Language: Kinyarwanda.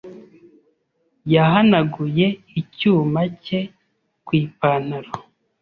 yahanaguye icyuma cye ku ipantaro.